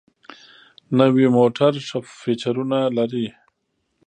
نوي موټر ښه فیچرونه لري.